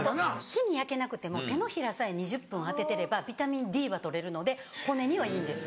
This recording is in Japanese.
日に焼けなくても手のひらさえ２０分当ててればビタミンＤは取れるので骨にはいいんです。